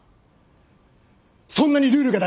そんなにルールが大事か！？